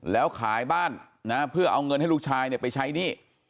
แล้วขายบ้านนะเพื่อเอาเงินให้ลูกชายไปใช้หนี้